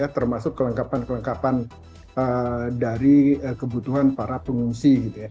termasuk kelengkapan kelengkapan dari kebutuhan para pengungsi